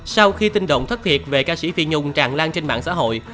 sau khi tin động thất thiệt về ca sĩ phi nhung tràn lan trên mạng xã hội